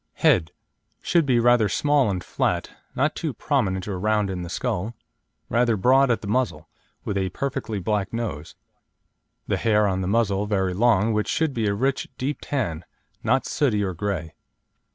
HEAD Should be rather small and flat, not too prominent or round in the skull; rather broad at the muzzle, with a perfectly black nose; the hair on the muzzle very long, which should be a rich, deep tan, not sooty or grey.